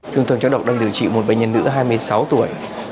trung tâm chống độc đang điều trị một bệnh nhân nữ hai mươi sáu tuổi